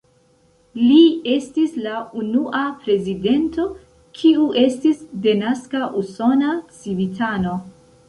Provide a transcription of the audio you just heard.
Li estis la unua prezidento, kiu estis denaska usona civitano.